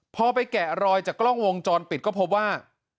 พอไปแกะรอยจากกล้องวงจรปิดก็พบว่า